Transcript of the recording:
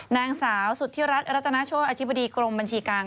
นางสาวสุธิรัฐรัตนาโชธอธิบดีกรมบัญชีกลาง